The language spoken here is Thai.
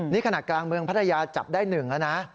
นี่ขณะกลางเมืองพัทยาจับได้๑แล้วนะ